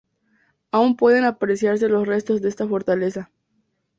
Aún pueden apreciarse los restos de esa fortaleza.